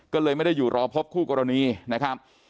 ก็เลยไม่ได้อยู่รอพบคู่กรณีนะครับ